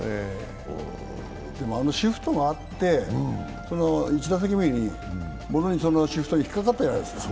でも、あのシフトがあって１打席目にもろにそのシフトに引っかかったじゃないですか。